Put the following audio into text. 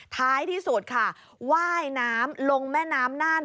ท้ายที่สุดค่ะว่ายน้ำลงแม่น้ำน่าน